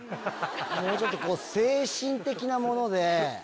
もうちょっと精神的なもので。